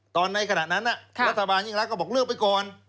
ตอนไหนขนาดนั้นรัฐบาลยิ่งแล้วก็บอกเลือกไปก่อน